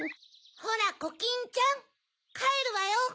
ほらコキンちゃんかえるわよ。